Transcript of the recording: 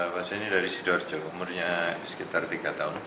pasien ini dari sidoarjo umurnya sekitar tiga tahun